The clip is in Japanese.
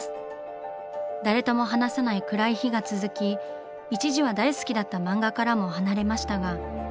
誰とも話さない暗い日が続き一時は大好きだった漫画からも離れましたが。